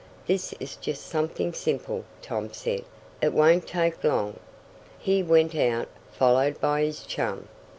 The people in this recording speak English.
"This is just something simple," Tom said. "It won't take long." He went out, followed by his chum.